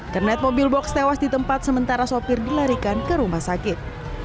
kernet mobil box tewas di tempat sementara sopir dilarikan ke rumah sakit